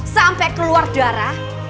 sampai keluar darah